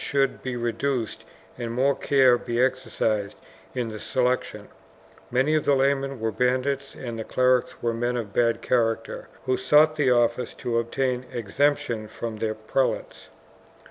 468 CONFLICTING JURISDICTIONS [BOOK II be reduced and more care be exercised in the selection: many of the laymen were bandits and the clerics were men of bad char acter, who sought the office to obtain exemption from their pre lates.